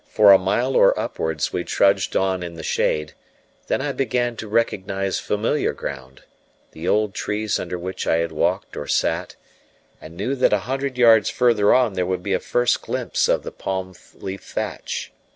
For a mile or upwards we trudged on in the shade; then I began to recognize familiar ground, the old trees under which I had walked or sat, and knew that a hundred yards further on there would be a first glimpse of the palm leaf thatch.